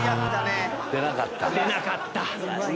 出なかった。